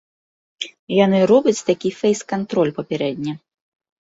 Яны робяць такі фэйс-кантроль папярэдне.